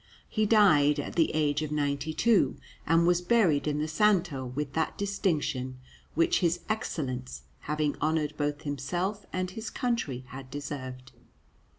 He died at the age of ninety two, and was buried in the Santo with that distinction which his excellence, having honoured both himself and his country, had deserved.